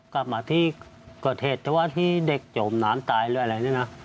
กลับมาที่เกอร์เทศเพราะว่าที่เด็กโจมน้ำตายอะไรอย่างนี้นะ